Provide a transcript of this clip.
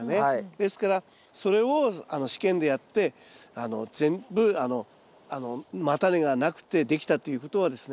ですからそれを試験でやって全部叉根がなくてできたっていうことはですね